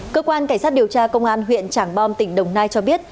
cơ quan cảnh sát điều tra công an huyện trảng bom tỉnh đồng nai cho biết